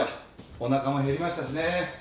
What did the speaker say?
おなかも減りましたしね。